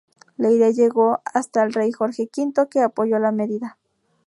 La idea llegó hasta el rey Jorge V, que apoyó la medida.